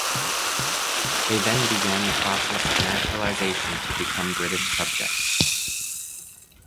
They then began the process of naturalisation to become British subjects.